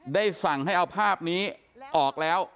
ได้สั่งให้เอาภาพนี้ออกแล้ว